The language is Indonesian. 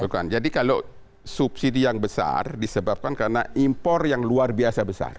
bukan jadi kalau subsidi yang besar disebabkan karena impor yang luar biasa besar